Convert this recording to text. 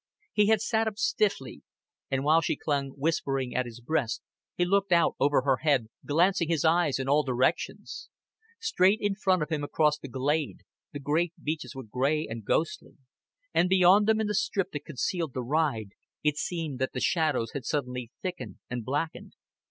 He had sat up stiffly, and while she clung whispering at his breast he looked out over her head, glancing his eyes in all directions. Straight in front of him across the glade, the great beeches were gray and ghostly, and beyond them in the strip that concealed the ride it seemed that the shadows had suddenly thickened and blackened.